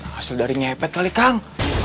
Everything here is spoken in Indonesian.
hasil dari nyepet kali kang